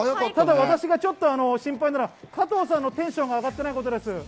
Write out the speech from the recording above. ただ私がちょっと心配なのは加藤さんのテンションが上がってないことです。